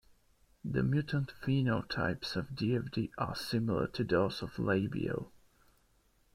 The mutant phenotypes of "Dfd" are similar to those of labial.